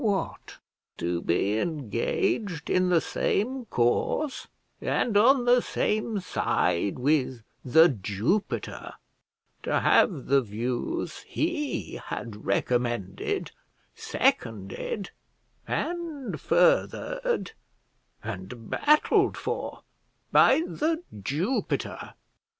What! to be engaged in the same cause and on the same side with The Jupiter; to have the views he had recommended seconded, and furthered, and battled for by The Jupiter!